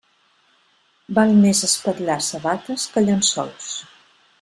Val més espatlar sabates que llençols.